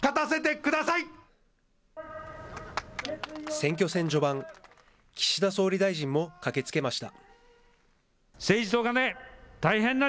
選挙戦序盤、岸田総理大臣も駆けつけました。